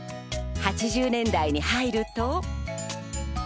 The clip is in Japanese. ８０年代に入ると。